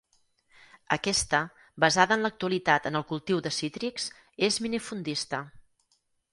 Aquesta, basada en l'actualitat en el cultiu de cítrics, és minifundista.